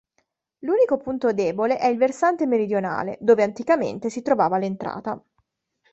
L'unico punto debole è il versante meridionale, dove anticamente si trovava l'entrata.